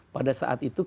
pada saat itu